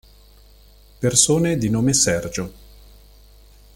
Persone di nome Sergio